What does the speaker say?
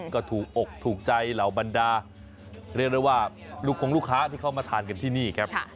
ก็ถูกออกหรือกลุกขาที่เขามาทานกันที่นี่